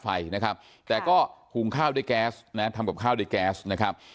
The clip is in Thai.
ไฟนะครับแต่ก็หุงข้าวด้วยแก๊สนะทำกับข้าวด้วยแก๊สนะครับ